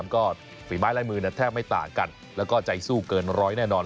ก็ฝีไม้ลายมือแทบไม่ต่างกันแล้วก็ใจสู้เกินร้อยแน่นอน